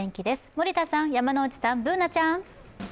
森田さん、山内さん、Ｂｏｏｎａちゃん。